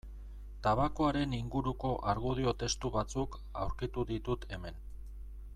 Tabakoaren inguruko argudio testu batzuk aurkitu ditut hemen.